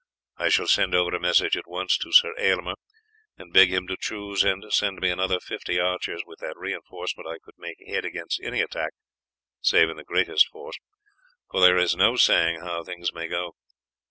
I shall send over a message at once to Sir Aylmer, and beg him to choose and send me another fifty archers with that reinforcement I could make head against any attack save in the greatest force for there is no saying how things may go.